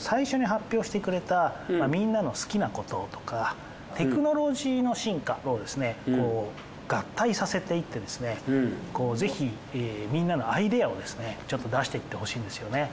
最初に発表してくれたみんなの好きなこととかテクノロジーの進化を合体させていってぜひみんなのアイデアをですねちょっと出していってほしいんですよね。